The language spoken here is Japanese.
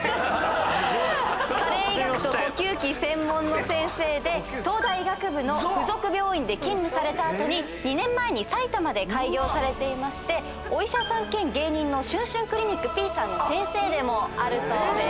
加齢医学と呼吸器専門の先生で東大医学部の附属病院で勤務された後に２年前に埼玉で開業されていましてお医者さん兼芸人のしゅんしゅんクリニックＰさんの先生でもあるそうです。